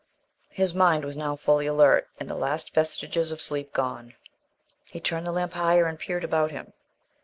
His mind was now fully alert, and the last vestiges of sleep gone. He turned the lamp higher and peered about him.